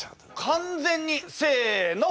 完全にせの！